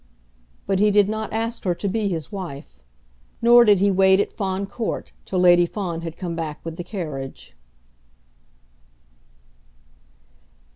But he did not ask her to be his wife; nor did he wait at Fawn Court till Lady Fawn had come back with the carriage.